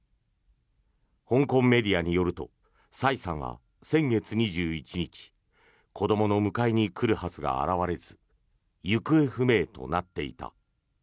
香港メディアによるとサイさんは先月２１日子どもの迎えに来るはずが現れず行方不明となっていた。